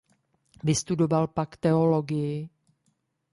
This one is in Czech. Vystudoval pak teologii.